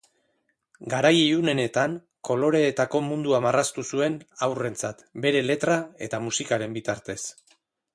Garai ilunenetan, koloreetako mundua marraztu zuen haurrentzat bere letra eta musikaren bitartez.